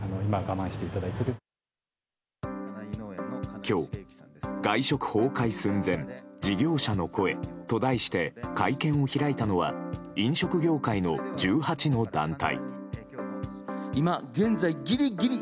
今日「外食崩壊寸前事業者の声」と題して会見を開いたのは飲食業界の１８の団体。